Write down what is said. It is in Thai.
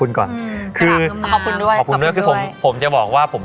นี่คือตัวผมเลยอะเภงของพี่โตแฮงแมแลกครับ